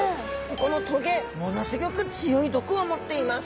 この棘ものすギョく強い毒を持っています。